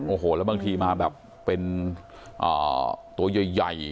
โอ้โหแล้วบางทีมาแบบเป็นตัวใหญ่